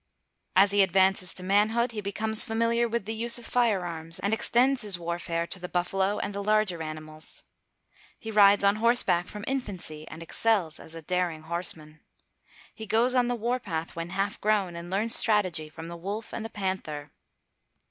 As he advances to manhood, he becomes familiar with the use of firearms, and extends his warfare to the buffalo and the larger animals. He rides on horseback from infancy, and excels as a daring horseman. He goes on the warpath when half grown, and learns strategy from the wolf and the panther.